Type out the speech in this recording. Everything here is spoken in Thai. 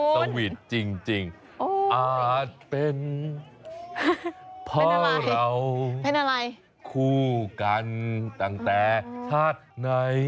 สวีทจริงอาจเป็นเพราะเราคู่กันตั้งแต่ถัดไหน